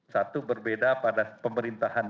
satu berbeda pada pemerintahan